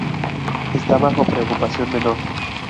Está bajo preocupación menor.